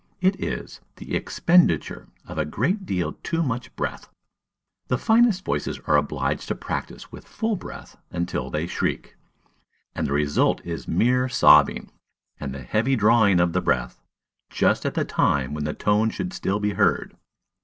It is "the expenditure of a great deal too much breath." The finest voices are obliged to practise with full breath until they shriek, and the result is mere sobbing, and the heavy drawing of the breath, just at the time when the tone should still be heard.